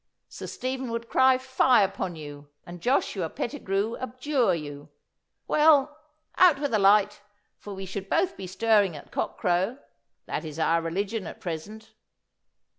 Sir Stephen would cry fie upon you, and Joshua Pettigrue abjure you! Well, out with the light, for we should both be stirring at cock crow. That is our religion at present.